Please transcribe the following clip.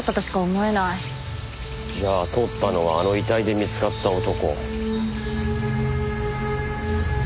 じゃあ撮ったのはあの遺体で見つかった男。